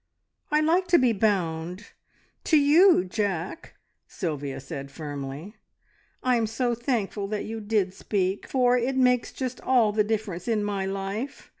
I like to be bound to you, Jack!" Sylvia said firmly. "I'm so thankful that you did speak, for it makes just all the difference in my life.